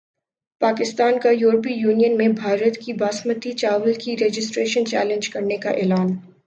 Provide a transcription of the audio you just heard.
پاکستان کا یورپی یونین میں بھارت کی باسمتی چاول کی رجسٹریشن چیلنج کرنیکا اعلان